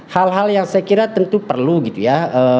hal hal yang saya kira tentu perlu gitu ya